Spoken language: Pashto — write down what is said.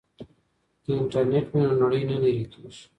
که انټرنیټ وي نو نړۍ نه لیرې کیږي.